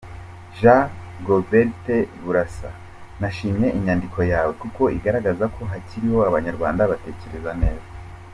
Jean Golbert Burasa, nashyimye inyandiko yawe, kuko igaragaza ko hakiriho Abanyarwanda batekereza neza.